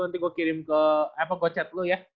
nanti gua kirim ke apa gua chat lu ya